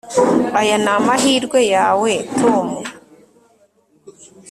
Aya ni amahirwe yawe Tom